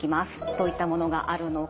どういったものがあるのか。